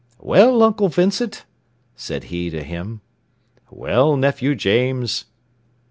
"Well, Uncle Vincent," said he to him. "Well, Nephew James?"